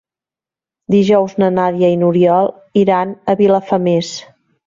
Dijous na Nàdia i n'Oriol iran a Vilafamés.